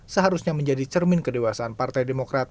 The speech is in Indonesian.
seharusnya menjadi cermin kedewasaan partai demokrat